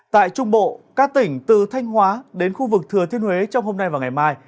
tại trung bộ các tỉnh từ thanh hóa đến khu vực thừa thiên huế trong hôm nay và ngày mai